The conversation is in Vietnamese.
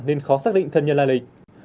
nên khó xác định thân nhân lai lịch